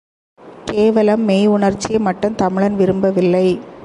கேவலம் மெய் உணர்ச்சியை மட்டும் தமிழன் விரும்பவில்லை.